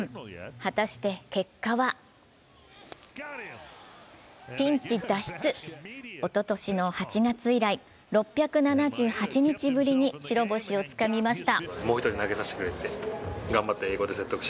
果たして結果はピンチ脱出、おととしの８月以来６７８日ぶりに白星をつかみました。